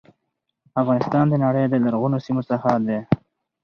افغانستان د نړی د لرغونو سیمو څخه دی.